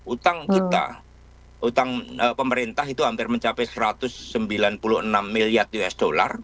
utang kita utang pemerintah itu hampir mencapai satu ratus sembilan puluh enam miliar usd